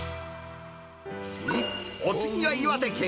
お次は岩手県。